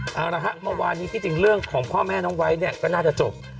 เอาละฮะเมื่อวานนี้ที่จริงเรื่องของพ่อแม่น้องไว้เนี่ยก็น่าจะจบ